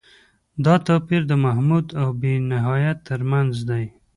دا توپیر د محدود او بې نهایت تر منځ دی.